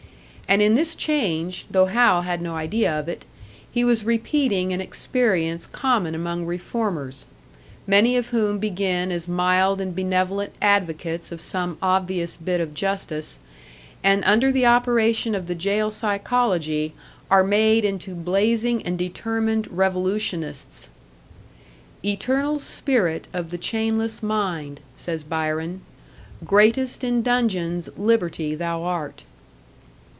And in this change, though Hal had no idea of it, he was repeating an experience common among reformers; many of whom begin as mild and benevolent advocates of some obvious bit of justice, and under the operation of the jail psychology are made into blazing and determined revolutionists. "Eternal spirit of the chainless mind," says Byron. "Greatest in dungeons Liberty thou art!"